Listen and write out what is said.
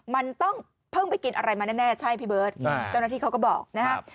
มันต้องเพิ่งไปกินอะไรมาแน่ใช่พี่เบิร์ตเจ้าหน้าที่เขาก็บอกนะครับ